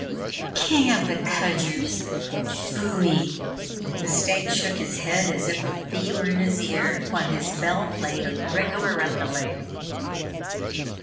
"King of the Kudgers pfui!" The stag shook his head as if a bee were in his ear, while his bell played a regular roundelay.